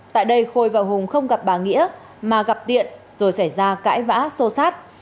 tại đây khôi và hùng không gặp bà nghĩa mà gặp tiện rồi xảy ra cãi vã sô sát